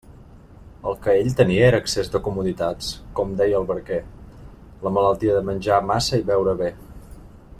El que ell tenia era excés de comoditats, com deia el barquer; la malaltia de menjar massa i beure bé.